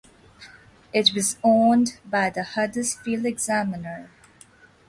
It was owned by the Huddersfield Examiner.